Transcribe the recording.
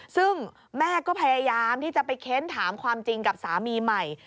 ซึ่งแม่ก็พยายามที่จะไปเค้นถามความจริงกับสามีใหม่